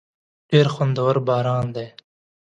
ډېر خوندور باران دی.